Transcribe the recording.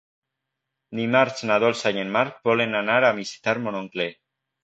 Dimarts na Dolça i en Marc volen anar a visitar mon oncle.